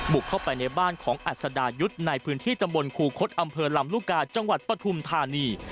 บุกเข้าไปในบ้านของอัศดายุทธ์ในพื้นที่ตำบลครูคดอำเภอลำลูกกาจังหวัดปฐุมธานี